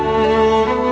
suara kamu indah sekali